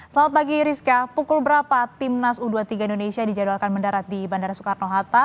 selamat pagi rizka pukul berapa timnas u dua puluh tiga indonesia dijadwalkan mendarat di bandara soekarno hatta